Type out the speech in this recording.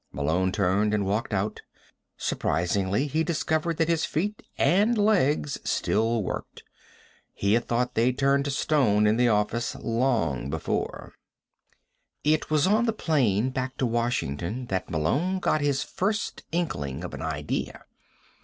Malone turned and walked out. Surprisingly, he discovered that his feet and legs still worked. He had thought they'd turned to stone in the office long before. It was on the plane back to Washington that Malone got his first inkling of an idea.